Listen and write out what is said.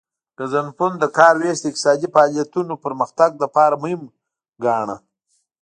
ګزنفون د کار ویش د اقتصادي فعالیتونو پرمختګ لپاره مهم ګڼلو